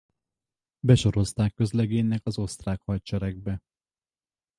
Besorozták közlegénynek az osztrák hadseregbe.